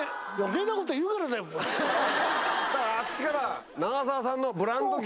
だからあっちから。